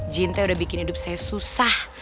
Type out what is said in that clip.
jin teh udah bikin hidup saya susah